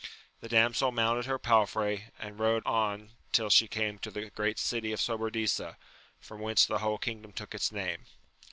The damsel mounted her palfrey, and rode on till she came to the great city of Sobradisa, from whence the whole kingdom took its name.